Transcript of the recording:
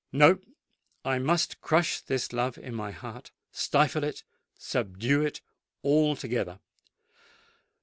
No:—I must crush this love in my heart—stifle it—subdue it altogether!